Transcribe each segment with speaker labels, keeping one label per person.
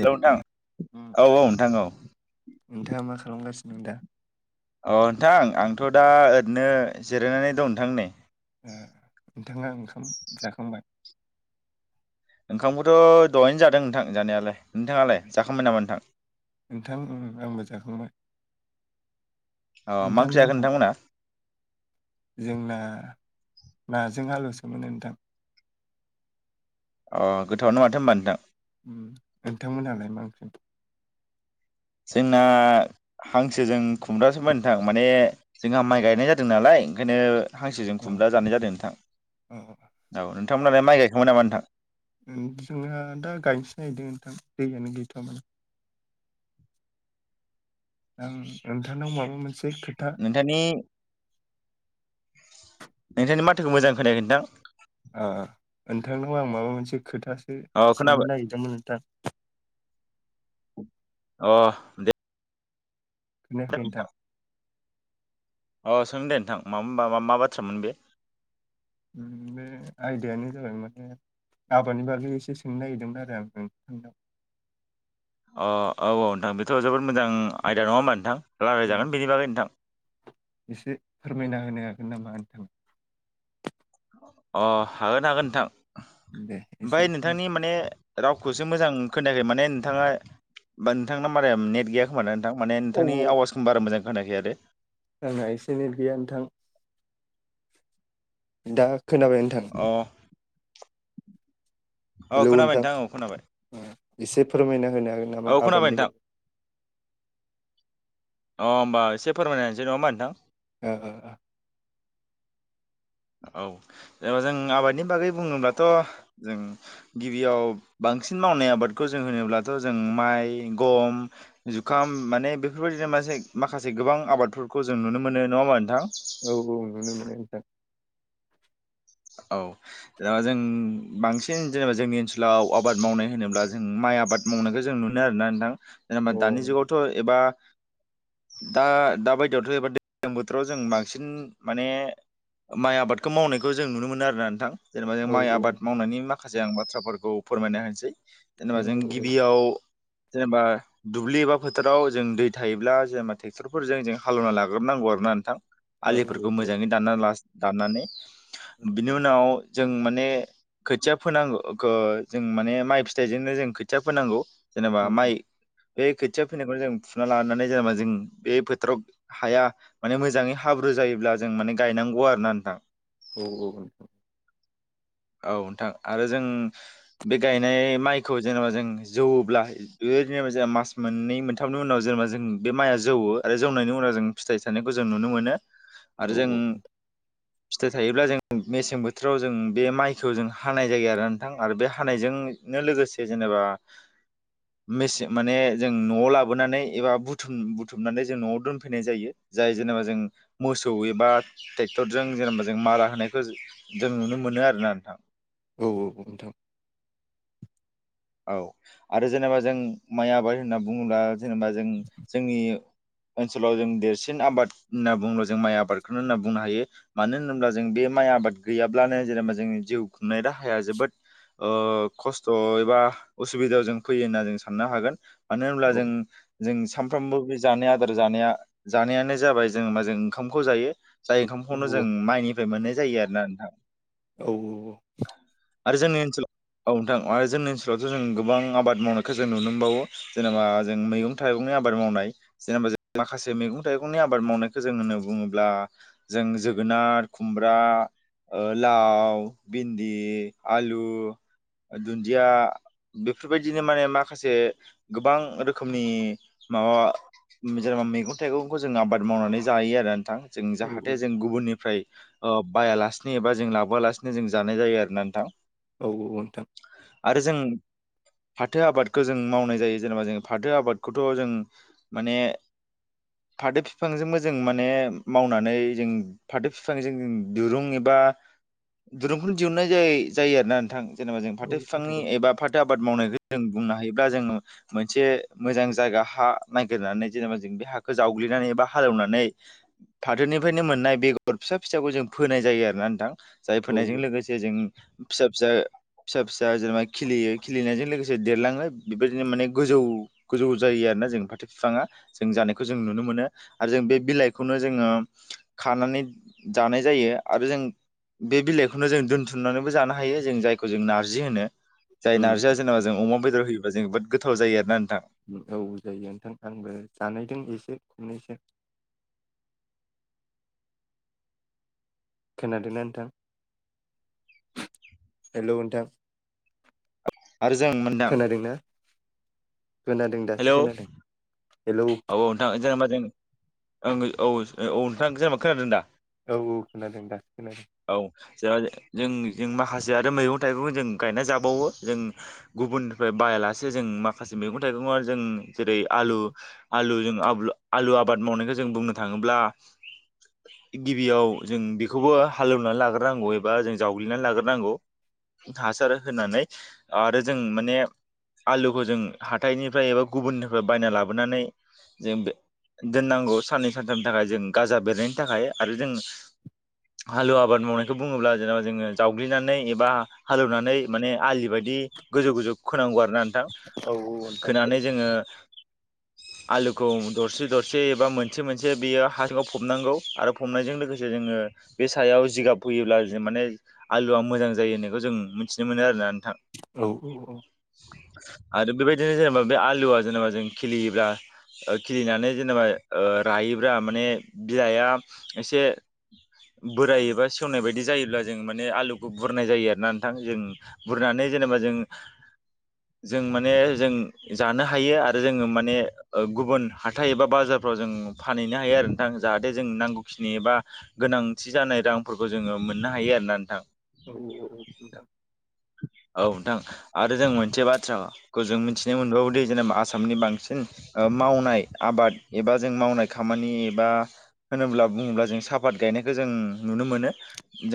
Speaker 1: ए
Speaker 2: hello नोंथां
Speaker 1: उम
Speaker 2: औ औ नोंथां औ
Speaker 1: नोंथाङा मा खालामगासिनो दं दा।
Speaker 2: अ नोंथां आंथ' दा ओरैनो जिरायनानै दं नोंथां नै
Speaker 1: नोंथाङा ओंखाम जाखांबाय
Speaker 2: ओंखामखौथ' दहायनो जादों नोंथां जानायालाय
Speaker 1: ओ
Speaker 2: नोंथाङालाय जाखांबाय नामा नोंथां।
Speaker 1: नोंथां उम
Speaker 2: अ मा ओंख्रि जाखो
Speaker 1: नोंथांमोना जोंना नाजों आलु सोम मोनो नोंथां
Speaker 2: अ गोथावानो माथो होनबा नोंथां
Speaker 1: उम नोंथांमोनहालाय मा ओंख्रिमोन।
Speaker 2: जोंना हांसो जों खुमब्रासोमोन नोंथां माने जोंहा माइ गायनाय जादों नालाय ओंखायनो हांसोजों
Speaker 1: अ
Speaker 2: खुमब्रा जानाय जादों नोंथां
Speaker 1: अ
Speaker 2: औ नोंथांमोनालाय माइ गायखांबाय नामा नोंथां।
Speaker 1: जोंहा दा गायनोसै नायदों नोंथां दैयानो गैथ'व माल आं नोंथांनाव माबा मोनसे खोथा
Speaker 2: नोंथांनि नोंथांनि माथोखौ मोजां खोनायाखै नोंथां।
Speaker 1: ओ ओ नोंथांनाव आं माबा मोनसे खोथासो
Speaker 2: अ
Speaker 1: सोंनो
Speaker 2: खोनाबाय
Speaker 1: नागिरदोंमोन नोंथां।
Speaker 2: अ दे
Speaker 1: खोनायाखै नोंथां
Speaker 2: औ सों दे नोंथां मा मा बाथ्रामोन बे।
Speaker 1: बे आयदायानो जाबाय माने। आबादनि बागै एसे सोंनो नागिरदोंमोन आरो आं नोंथांनाव।
Speaker 2: अ औ औ नोंथां बेथ' जोबोद मोजां आयदा नङा होमबा नोंथां रायज्लायजागोन बेनि बागै नोंथां।
Speaker 1: एसे फोरमायना होनो हागोन नामा नोंथां
Speaker 2: अ हागोन हागोन नोंथां
Speaker 1: दे एसे
Speaker 2: ओमफ्राय नोंथांनि माने राव खौसो मोजां खोनायाखै माने नोंथाङा बा नोंथां मारै नेट गैया खोमा ने नोंथां माने नोंथांनि आवाजखौनो बारा मोजां खोनायाखै आरो
Speaker 1: आंहा एसेनो गैया नोंथां दा खोनाबाय नोंथां
Speaker 2: अ औ खोनाबाय नोंथां औ खोनाबाय
Speaker 1: एसे फोरमायना होनो हागोन नामा
Speaker 2: औ खोनाबाय
Speaker 1: आबादनि
Speaker 2: नोंथां अ होमबा एसे फोरमायनोसै नङामा नोंथां?
Speaker 1: ओ ओ ओ
Speaker 2: औ जेनेबा जों आबादनि बागै बुङोब्लाथ' जों गिबियाव बां बांसिन मावनाय आबादखौ जों होनोब्लाथ' जों माइ गम जुखाम माने बेफोरबायदि जों। मोनसे माखासे गोबां आबादफोरखौ जों नुनो मोनो नङा होमबा नोंथां।
Speaker 1: औ औ नुनो मोनो नोंथां।
Speaker 2: औ जेनेबा जों बांसिन जेनेबा जोंनि ओनसोलाव आबाद मावनाय होनोब्ला जों माइ माइ आबाद मावनायखौ जों नुनो आरो ना नोंथां जेनेबा
Speaker 1: अ औ
Speaker 2: दानि जुगावथ' एबा। दा दा बायदियावथ' एबा दैज्लां बोथोराव जों बांसिन माने। माइ आबादखौ मावनायखौ जों नुनो मोनो आरोना नोंथां
Speaker 1: औ
Speaker 2: जेनेबा जों माइ आबाद मावनायनि माखासे आं बाथ्राफोरखौ फोरमायना होनोसै जेनेबा जों गिबियाव जेनेबा दुब्लि एबा फोथाराव जों दै थायोब्ला जेनेबा ट्रेक्टरफोरजों जों हालेवना लाग्रोबोनांगौ आरो [unintelligible] आलिफोरखौ मोजाङै दान ला दनानै बिनि उनाव जों माने खोथिया फोनांगो गो जों माने माइ फिथाइजोंनो जों खोथिया फोनांगौ। जेनेबा माइ। बे खोथिया फैनायखौनो जों फुना लानानै जेनेबा जों बे फोथाराव हाया माने मोजाङै हाब्रु जायोब्ला जों माने गायनांगौ आरो ना नोंथां
Speaker 1: औ औ नोंथां।
Speaker 2: औ नोंथां आरो जों बे गायनाय माइखौ जेनेबा जों जौवोब्ला। जेनबा ज मास मोननै मोनथामनि उनाव जेनेबा जों बे माइआ जौवो आरो जौनायनि उनाव जों फिथाइ थानायखौ जों नुनो मोनो। आरो जों फिथाइ थायोब्ला जों मेसें बोथोराव जों बे माइखौ जों हानाय जायो आरो नोंथां आरो बे हानायजोंनो लोगोसे जेनेब। एबा मेसे माने जों न'आव लाबोनानै एबा बुथुम बुथुमनानै जों न'आव दोनफैनाय जायो। जाय जेनेबा जों मोसौ एबा ट्रेक्टर जों जेनेबा जों मारा होनाय। बे जों नुनो मोनो आरोना नोंथां।
Speaker 1: औ औ नोंथां
Speaker 2: औ आरो जेनेबा जों माइ आबाद होनना बुङोब्ला जेनेबा जों जोंनि ओनसोलाव जों देरसिन आबाद होनना बुोब्ला जों माइ आबादखौनो होनना बुंनो हायो मानो होनोब्ला जों बे। माइ आबाद गैयाब्लानो जेनेबा जोंनि जिउ खुंनाय राहाया जोबोद ओ खस्थ' एबा उसुबिदायाव जों फैयो होनना जों साननो हागोन मानो होनब्ला जों जों सामफ्रामबो बे जानाय आदार जानाया जानायानो जाबाय जों मा जों ओंखामखौ जायो। जाय ओंखामखौनो जों माइनिफ्राय मोननाय जायो आरो ना नोंथां।
Speaker 1: औ औ।
Speaker 2: आरो जोंनि ओनसोलाव औ नोंथां आरो जोंनिओ बेयावथ' जों गोबां आबाद मावनायखौ जों नुनो मोनबावो जेनेबा जों मैगं थाइगंनि आबाद मावनाय जेनेबा। माखासे मैगं थाइगंनि आबाद मावनायखौ जों होननानै बुङोब्ला जों जोगोनार खुमब्रा ओ लाव भिन्दि आलु दुन्दिया। बेफोरबायदिनो माया माखासे गोबां रोखोमनि माबा जेनेबा मैगं थाइगंखौ जों आबाद मावनानै जायो आरो नोंथां जों
Speaker 1: औ
Speaker 2: जाहाथे
Speaker 1: उम
Speaker 2: जों गुबुननिफ्राय ओ बायालासिनो एबा जों लाबोआलासिनो जों जानाय जायो आरो ना नोंथां।
Speaker 1: औ औ नोंथां।
Speaker 2: आरो जों
Speaker 1: [inaudible]
Speaker 2: फाथो आबादखौ जों मावनाय जायो जेनेबा जों फाथो आबादखौथ' जों माने फाथो बिफांजोंबो जों माने मावनानै जों फाथो बिफांजों जों दिरुं एबा दिरुंखौ दिहुननाय जायोना नोंथां जेनेबा जों
Speaker 1: औ नोंथां औ
Speaker 2: फाथो
Speaker 1: नोंथां
Speaker 2: बिफांनि
Speaker 1: औ
Speaker 2: एबा आबाद मावनायखौ जों बुंनो हायोब्ला जों मोनसे मोजां जायगा हा नागिरनानै जेनेबा जों बे हाखौ जावग्लिनानै एबा हालेवनानै फाथोनिफ्रायनो मोननाय बेगर फिसा फिसाखौ जों फोनाय जायो आर ना नोंथां?
Speaker 1: औ
Speaker 2: जायफोरनायजों लोगोसे जों फिसा फिसा फिसा फिसा जेनेबा नङाबा खिलियो खिलिनायजों लोगोसे देरलाङो बेबायदिनो माने गोजौ गोजौ जायो आरोना जों फाथो बिफाङा जों जानायखौ जों नुनो मोनो आरो जों बे बिलाइखौनो जोंङो खानानै जानाय जायो। जायो आरो जों बे बिलाइखौनो जों दोनथुमनानैबो जानो हायो जों जायखौ जों नार्जि होनो। जाय
Speaker 1: उम
Speaker 2: नारजिया जेनबा ज अमा बेदर होयोबला जों गोथाव जायो आरो ना?
Speaker 1: गोथाव जायो नोंथां आंबो जानायदों एसे खमनैसो। खोनादोंना नोथां हेलौ नोथां
Speaker 2: आरो जों मोनदां
Speaker 1: खोनादों दासो
Speaker 2: हेलौ
Speaker 1: खोनादों।
Speaker 2: औ औ नोंथां जेनेबा जों ओ औ औ नोंथां जेनेबा खोनादों दा?
Speaker 1: औ खोनादों दासो खोनादों
Speaker 2: औ जेरै जों माखासे ज आरो मैगं थाइगं जों गायना जाबावो जों गुबुननिफ्राय बायालासे जों माखासे मैगं थाइगं ओ जों जेरै आलु आलु जों आबलु आलु आबाद मावनायखौ जों बुंनो थांङोब्ला गिबियाव जों बेखौबो हालेवनानै लाग्रोनांगौ एबा जों जावग्लिनानै लाग्रोनांगौ। हासार होनानै आरो जों माने आलुखौ जों हाथाइनिफ्राय एबा गुबुननिफ्राय बायना लाबोनानै जों बे दोननांगौ साननै सानथामनि थाखाय जों गाजा बेरनायनि थाखाय आरो जों हालव आबाद मावनायखौ बुङोब्ला जेनेबा जोङो जावग्लिनानै एबा हालेवनानै माने आलि बायदि बिदि गोजौ गोजौ खोनांगौ आरोना नोंथां
Speaker 1: औ नोंथां
Speaker 2: खोनानै जोङो। आलुखौ दरसे दरसे एबा मोनसे मोनसे बेयो हा सिंङाव फबनांगौ आरो फबनायजों लोगोसे जोङो बे सायाव जिगाब फयोब्ला जों माने आलुआ मोजां जायो होननायखौ जों मिथिनो मोनो आरोना नोंथां।
Speaker 1: औ औ औ।
Speaker 2: आरो बेबायदिनो जेनेबा बे आलुआ जेनेबा जों खिलियोब्ला ओ खिलिनानै जेनेबा ओ रायोब्ला माने बिलाइआ एसे बोरायोबा सेवनाय बायदि जायोब्ला जों माने आलुखौ बुरनाय जायो आरोना नोंथां जों बुरनानै जेनेबा जों जों माने जों जानो हायो आरो जोंङो माने ओ गुबुन हाथाय एबा बाजारफ्राव जों फानहैनो हायो आरो ना जाहाथे जों नांगौखिनि एबा गोनांथि जानाय रांफोरखौ जोंङो मोननो हायो आरोना नोंथां।
Speaker 1: औ औ औ औ नोंथां।
Speaker 2: औ नोंथां आरो जों मोनसे बाथ्राखौ जों मिथिनो मोनबावोदि जेनेबा आसामनि बांसिन मावनाय आबाद एबा जों मावनाय खामानि एबा होनोब्ला बुंङोब्ला जों साफात गायनायखौ जों नुनो मोनो।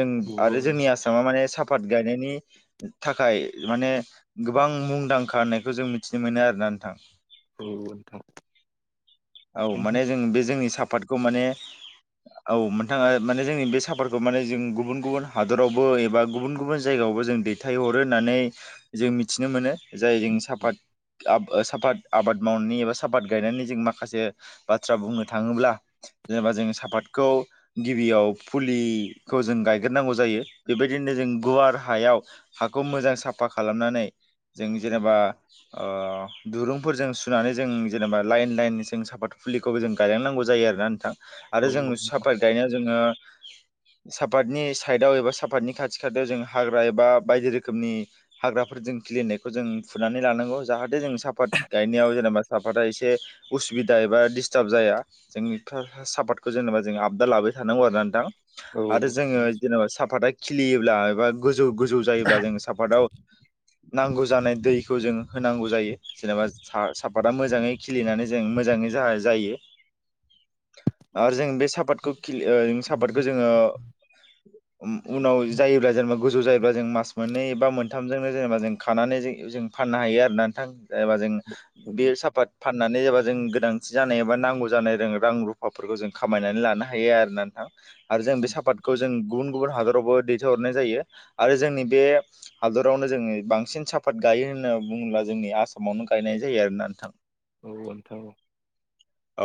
Speaker 2: जों आरो जोंनि आसामा माने सापात गायनायनि थाखाय माने गोबां मुंदांखा होननायखौ जों मिथिनो मोनो आरोना नोंथां।
Speaker 1: औ नोंथां औ नोंथां
Speaker 2: औ माने जों बे जोंनि साफातखौ माने औ नोंथाङा माने जोंनि बे साफातखौ माने जों गुबुन गुबुन हादरावबो एबा गुबुन गुबुन जायगायाव बो जों दैथाय हरो होननानै जों मिथिनो मोनो जाय जों सापात आब सापाद आबाद मावनानै एबा साफत गायनायनि जों माखासे बाथ्रा बुंनो थाङोब्ला जेनेबा जों साफातखौ गिबियाव फुलिखौ जों गायग्रोनांगौ जायो बेबायदिनो जों गुवार हायाव हाखौ मोजां साफा खालामनानै जों जेनेबा ओ दुरुंफोरजों सुनानै जों जेनेबा लाइन लाइन जों साफात फुलिखौबो जों गायलांनांगौ जायो आरोना नोंथां आरो जों
Speaker 1: औ
Speaker 2: सापात गायनायाव जोङो सापातनि साइदआव एबा सापातनि खाथि खाथियाव जों हाग्रा एबा बायदि रोखोमनि हाग्राफोरजों खिलिनायखौ जों फुनानै लानांगौ जाहाथे जों साफात गायनायाव जेनेबा बा साफादआ इसे उसुबिदा एबा डिस्टार्ब जाया जों सापादखौ जेनेबा जों आपदा लाबाय थानांगौ आरो नोंथां।
Speaker 1: औ
Speaker 2: आरो जोंङो जेनेबा साफाता खिलियोब्ला एबा गोजौ गोजौ जायोब्ला जोंङो सापातआव नांगौ जानाय दैखौ जों होनांगौ जायो जेनेबा सा-साफाता मोजाङै खिलिनानै जों मोजाङै जा-जायो।
Speaker 1: [inaudible]
Speaker 2: आरो जों बे सापातखो खिलि सापातखौ जोङो उ-उनाव जायोब्ला जेनेबा गोजौ जायो बा जों मास मोननै बा मोनथामजोंनो जेनेबा जों खानानै जो-जों फाननो हायो आरोना नोंथां जेनेबा जों बे साफात फाननानै जाबा जों गोनांथि जानाय एबा नांगौ जानाय रां रुफाफोरखौ जों खामायनानै लानो हायो आरो ना नोंथां आरो जों बे सापातखौ जों गुबुन गुबुन हादरावबो दैथाय हरनाय जायो। आरो जोंनि बे हादरावनो जोङो बांसिन साफात गायो होनना बुङोब्ला जोंनि आसामावनो गायनाय जायो आरोना नोंथां।
Speaker 1: औ नोथां औ।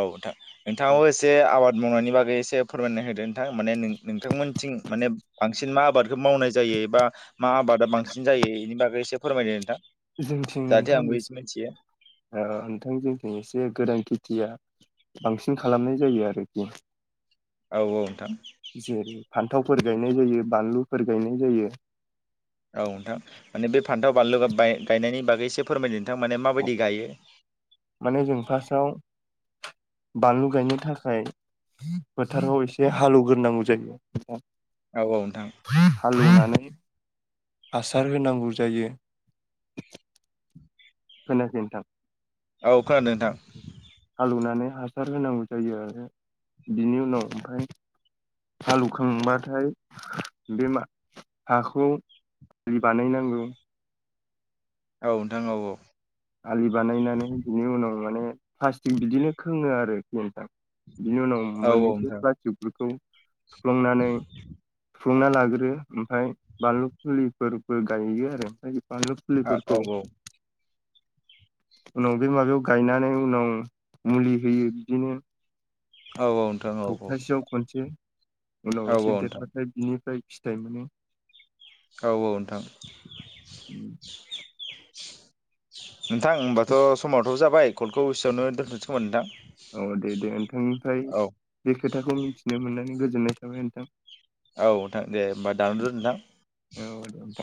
Speaker 2: औ नोंथां नोंथाङाबो एसे आबाद मावनायनि बागै एसे फोरमायना होदो नोंथां माने नो-नोंथांमोनथिं माने बांसिन मा आबादखौ मावनाय जायो एबा मा आबादा बांसिन जायो बेनि बागै एसे फोरमायदो नोंथां।
Speaker 1: जोंनिथिं
Speaker 2: जाहाथे
Speaker 1: नोंथां
Speaker 2: आंबो
Speaker 1: [unintelligible]
Speaker 2: एसे मिथियो
Speaker 1: ओ नोंथां जोंनिथिं एसे गोरान खे [unintelligible] बांसिन खालामनाय जायो आरोखि।
Speaker 2: औ औ नोंथां
Speaker 1: जेरै फान्थाव फोर गायनाय जायो बानलुफोर गायनाय जायो।
Speaker 2: औ नोंथां माने बे फान्थाव बानलु बाय गायनायनि बागै एसे फोरमायदो। नोंथां माने माबायदि गायो
Speaker 1: माने जों फार्स्टआव बानलु गायनो थाखाय फोथाराव एसे हाल एवग्रोनांगौ जायो
Speaker 2: औ औ नोंथां
Speaker 1: हालुनानै हासार होनांगौ जायो। खोनायासै नोंथां
Speaker 2: औ खोनादों नोंथां
Speaker 1: हालवनानै हासार होनांगौ जायो आरो बिनि उनाव ओमफ्राय हालौवखांबाथाय बे हाखौ [unintelligible] बानायनांगौ
Speaker 2: औ नोंथां औ औ
Speaker 1: आलि बानायनानै बिनि उनाव माने प्लास्टिक बिदिनो खोङो आरो पिन्थां बिनि उनाव
Speaker 2: औ औ
Speaker 1: मोननैसो
Speaker 2: नोंथां
Speaker 1: प्लास्टिकफोरखौ सुफ्लंनानै फुना लाग्रो ओमफ्राय बानलु फुलिफोरबो गायो आरो ओमफ्राय बांलु
Speaker 2: औ औ
Speaker 1: फुलिफोरखौ
Speaker 2: नोंथां औ
Speaker 1: उनाव बे माबायाव गायनानै उनाव मुलि होयो बिदिनो
Speaker 2: औ औ नोंथां
Speaker 1: सप्तासेयाव खनसे उनाव एसे देरबाथाय बिनिफ्राय फिथाइ मोनो
Speaker 2: औ औ नोंथां
Speaker 1: उम।
Speaker 2: नोंथां होमबाथ' समावथ' जाबाय कलखौ उसेयावनो दोनथ'सैयमोन नोंथां
Speaker 1: औ दे दे नोंथांनिफ्राय
Speaker 2: औ
Speaker 1: बे खोथाखौ मिथिनो मोननानै गोजोननाय थाबाय नोंथां
Speaker 2: औ नोंथां दे होमबा दानदो नोंथां
Speaker 1: औ दे नोंथां